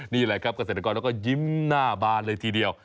นี่แหละครับเกษตรกรแล้วก็ยิ้มหน้าบานเลยทีเดียว